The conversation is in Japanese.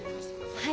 はい。